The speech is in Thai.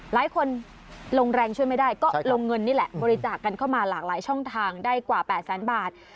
หลายคนลงแรงช่วยไม่ได้ก็ลงเงินนี่แหละบริจาคกันเข้ามาหลากหลายช่องทางได้กว่า๘แสนบาท